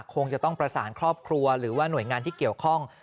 คงจะต้องประสานครอบครัวหรือว่าหน่วยงานที่เกี่ยวข้อง